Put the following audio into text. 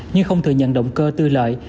nhưng không thừa nhận động cơ tư lợi